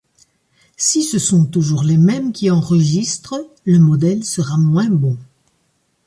Si ce sont toujours les mêmes qui enregistrent, le modèle sera moins bon.